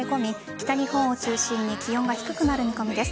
北日本を中心に気温が低くなる見込みです。